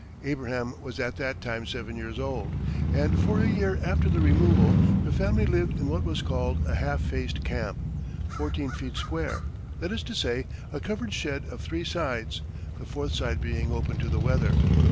Abraham was at that time seven years old, and for a year after the removal, the family lived in what was called a "half faced camp," fourteen feet square that is to say, a covered shed of three sides, the fourth side being open to the weather.